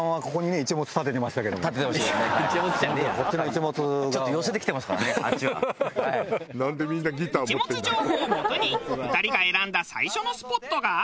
イチモツ情報をもとに２人が選んだ最初のスポットが。